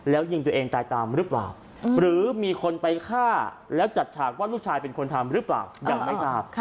แล้วยิงตัวเองตายตามหรือเปล่าหรือมีคนไปฆ่าแล้วจัดฉากว่าลูกชายเป็นคนทำหรือเปล่ายังไม่ทราบ